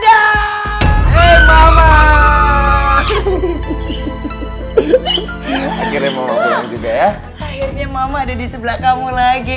akhirnya mama ada di sebelah kamu lagi